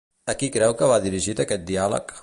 A qui creu que va dirigit aquest diàleg?